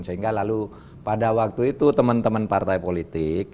sehingga lalu pada waktu itu teman teman partai politik